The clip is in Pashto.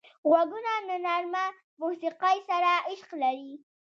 غوږونه له نرمه موسیقۍ سره عشق لري